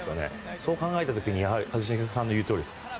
そう考えた時に一茂さんの言うとおりです。